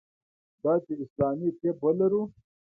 دا چې اسلامي طب ولرو.